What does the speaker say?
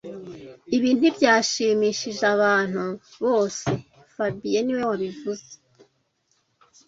Ibi ntibyashimishije abantu bose fabien niwe wabivuze